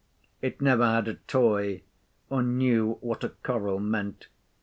It never had a toy, or knew what a coral meant.